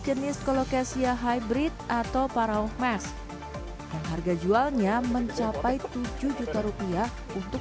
jenis colocasia hybrid atau paraong mask dan harga jualnya mencapai tujuh juta rupiah untuk